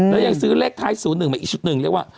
แล้วยังซื้อเลขท้าย๐๑มาอีกชุดหนึ่งเรียกว่า